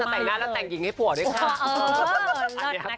แต่งหน้าแล้วแต่งหญิงให้ผัวด้วยค่ะ